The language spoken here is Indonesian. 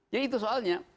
jadi itu soalnya